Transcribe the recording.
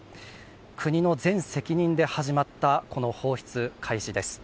国の全責任で始まったこの放出開始です。